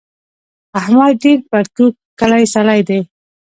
احمد ډېر پرتوګ کښلی سړی دی.